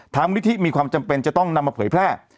มูลนิธิมีความจำเป็นจะต้องนำมาเผยแพร่